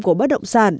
của bất động sản